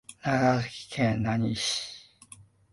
長崎県大村市